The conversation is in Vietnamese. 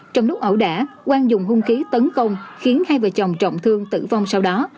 trong lúc ẩu đả quang dùng hung khí tấn công khiến hai vợ chồng trọng thương tử vong sau đó